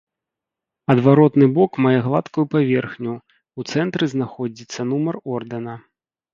Адваротны бок мае гладкую паверхню, у цэнтры знаходзіцца нумар ордэна.